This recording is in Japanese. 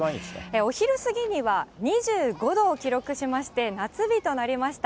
お昼過ぎには、２５度を記録しまして、夏日となりました。